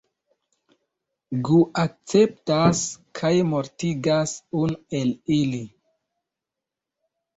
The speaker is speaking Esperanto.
Gu akceptas kaj mortigas unu el ili.